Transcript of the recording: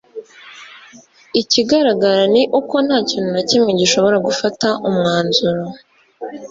Ikigaragara ni uko nta kintu na kimwe gishobora gufata umwanzuro